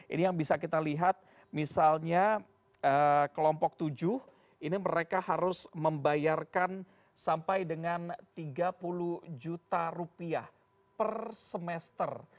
ini yang bisa kita lihat misalnya kelompok tujuh ini mereka harus membayarkan sampai dengan tiga puluh juta rupiah per semester